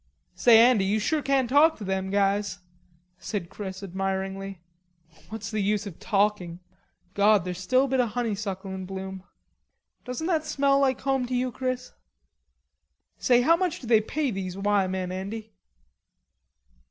"Say, Andy, you sure can talk to them guys," said Chris admiringly. "What's the use of talking? God, there's a bit of honeysuckle still in bloom. Doesn't that smell like home to you, Chris?" "Say, how much do they pay those 'Y' men, Andy?"